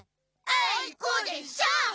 あいこでしょ！